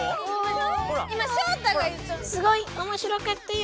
すごいおもしろかったよ。